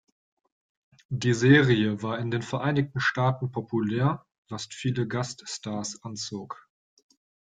Die Serie war in den Vereinigten Staaten populär, was viele Gaststars anzog.